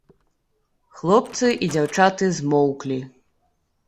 Хлопцы і дзяўчаты змоўклі.